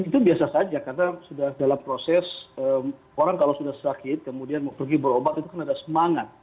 itu biasa saja karena sudah dalam proses orang kalau sudah sakit kemudian pergi berobat itu kan ada semangat